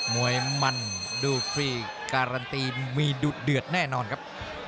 มวยมันดูฟรีการันตีมีดุเดือดแน่นอนครับ